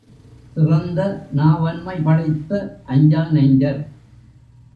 சிறந்த நாவன்மை படைத்த அஞ்சா நெஞ்சர்.